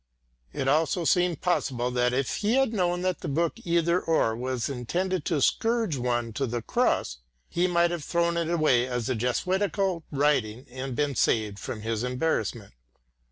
It was also possible that if he had known that the book Either Or was intended to scourge one to the Cross he might have thrown it away as a jesuitical writing and been saved from his embarrassment.